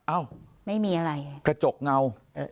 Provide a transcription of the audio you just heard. อ้าวกระจกเงา